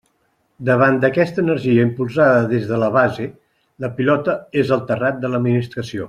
Davant d'aquesta energia impulsada des de la base, la pilota és al terrat de l'administració.